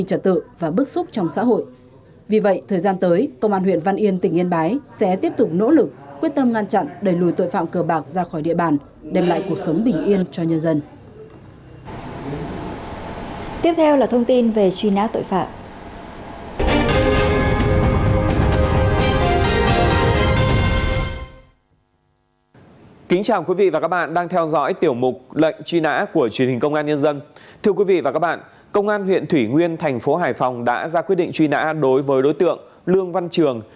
thưa quý vị và các bạn công an huyện thủy nguyên thành phố hải phòng đã ra quyết định truy nã đối với đối tượng lương văn trường